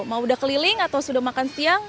mau sudah keliling atau sudah makan siang